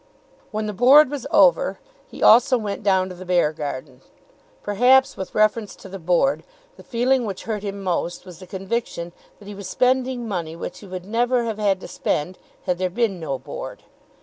When the Board was over, he also went down to the Beargarden. Perhaps, with reference to the Board, the feeling which hurt him most was the conviction that he was spending money which he would never have had to spend had there been no Board.